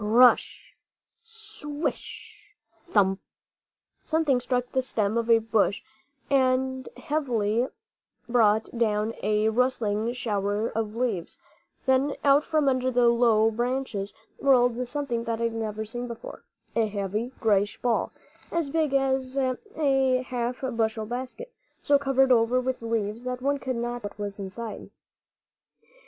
Pr r r r ush, swish! thump! Something struck the stem of a bush heavily and brought down a rustling shower of leaves; then out from under the low branches rolled something that I had never seen before, a heavy, grayish ball, as big as a half bushel basket, so covered over with leaves that one could not tell what was inside.